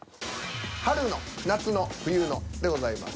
「春の」「夏の」「冬の」でございます。